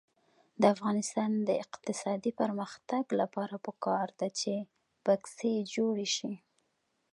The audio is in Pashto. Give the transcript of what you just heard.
د افغانستان د اقتصادي پرمختګ لپاره پکار ده چې بکسې جوړې شي.